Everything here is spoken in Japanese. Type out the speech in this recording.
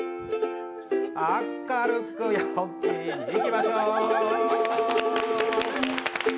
明るく、陽気に、いきましょう。